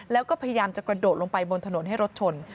แล้วก็พยายามจะกระโดดลงไปบนถนนให้รถชน